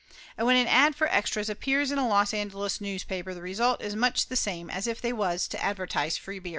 And when an ad for extras appears in a Los Angeles news paper the result is much the same as if they was to advertise free beer.